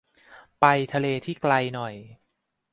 ไปทะเลที่ไกลหน่อย